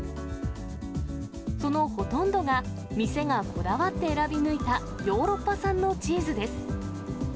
そのほとんどが、店がこだわって選び抜いたヨーロッパ産のチーズです。